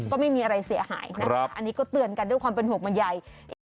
ก็ไม่มีอะไรเสียหายนะคะอันนี้ก็เตือนกันด้วยความเป็นห่วงบรรยาย